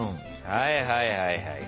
はいはいはいはい。